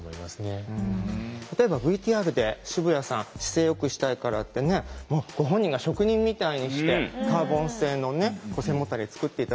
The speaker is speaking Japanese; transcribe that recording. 例えばＶＴＲで渋谷さん姿勢よくしたいからってねご本人が職人みたいにしてカーボン製のね背もたれ作っていたじゃないですか。